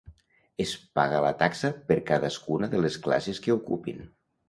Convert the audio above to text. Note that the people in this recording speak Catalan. Es paga la taxa per cadascuna de les classes que ocupin.